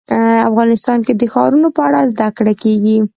افغانستان کې د ښارونو په اړه زده کړه کېږي.